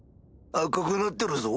赤くなってるぞ？